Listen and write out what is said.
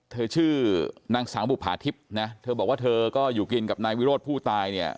ชื่อนางสาวบุภาทิพย์นะเธอบอกว่าเธอก็อยู่กินกับนายวิโรธผู้ตายเนี่ย